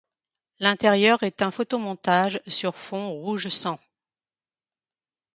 L'intérieur est un photomontage sur fond rouge-sang.